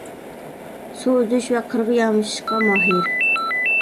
سۇ ئۈزۈش ۋە قىرغا يامىشىشقا ماھىر.